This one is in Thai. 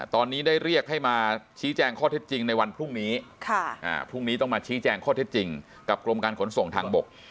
ตอนนี้ได้เรียกให้มาชี้แจงข้อเท็จจริงในวันพรุ่งนี้พรุ่งนี้ต้องมาชี้แจงข้อเท็จจริงกับกรมการขนส่งทางบก